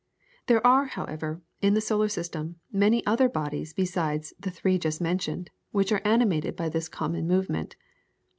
There are, however, in the solar system many other bodies besides the three just mentioned which are animated by this common movement.